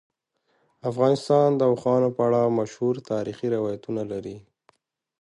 افغانستان د اوښانو په اړه مشهور تاریخی روایتونه لري.